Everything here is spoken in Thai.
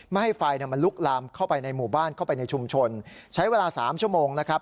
ไม่ให้ไฟมันลุกลามเข้าไปในหมู่บ้านเข้าไปในชุมชนใช้เวลาสามชั่วโมงนะครับ